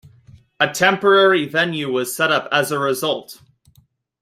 A temporary venue was set up as a result.